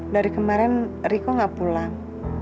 dari kemarin riko nggak pulang